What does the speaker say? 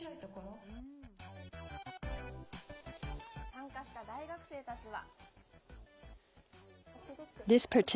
参加した大学生たちは。